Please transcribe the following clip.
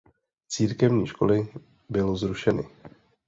Církevní školy byl zrušeny.